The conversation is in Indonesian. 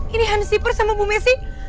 ini hansiper sama bu messi